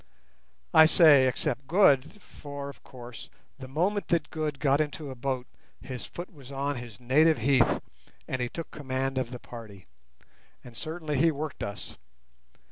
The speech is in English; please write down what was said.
I say, except Good, for, of course, the moment that Good got into a boat his foot was on his native heath, and he took command of the party. And certainly he worked us.